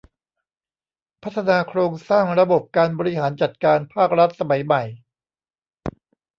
พัฒนาโครงสร้างระบบการบริหารจัดการภาครัฐสมัยใหม่